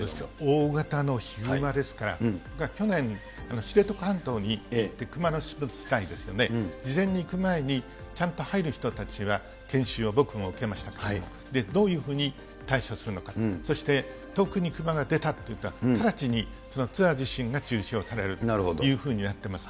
大型のヒグマですから、僕が去年、知床半島に行って、熊のですよね、事前に行く前にちゃんと入る人たちは、研修を、僕も受けましたけれども、どういうふうに対処するのか、そして特に熊が出たといったら、直ちにツアー自身が中止をされるというふうになっています。